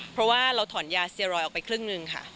เพราะว่าเราถอนยาเซียรอยออกไปครึ่งหนึ่งค่ะ